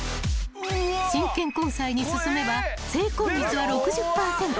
［真剣交際に進めば成婚率は６０％］